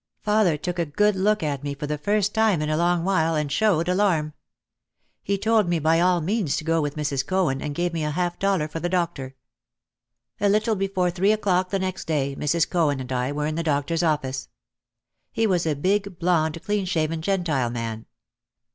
Father took a good look at me for the first time in a long while and showed alarm. He told me by all means to go with Mrs. Cohen and gave me a half dollar for the doctor. A little before three o'clock the next day Mrs. Cohen and I were in the doctor's office. He was a big, blonde, clean shaven Gentile man.